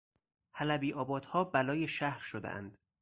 حلبیآبادها بلای شهر شدهاند.